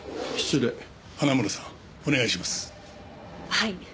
はい。